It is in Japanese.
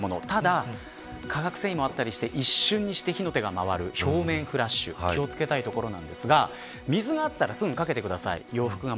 ただ、化学繊維もあったりして一瞬で火の手が表面フラッシュ気を付けたいところですが水があったらすぐにかけてください。